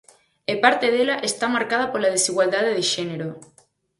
E parte dela está marcada pola desigualdade de xénero.